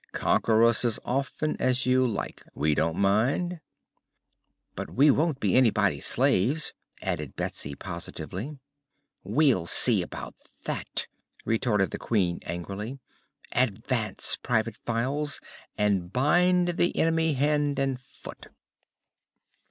"Conquer us as often as you like. We don't mind." "But we won't be anybody's slaves," added Betsy, positively. "We'll see about that," retorted the Queen, angrily. "Advance, Private Files, and bind the enemy hand and foot!"